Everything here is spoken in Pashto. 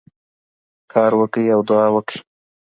کار وکړئ او دعا وکړئ.